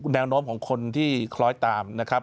แนวโน้มของคนที่คล้อยตามนะครับ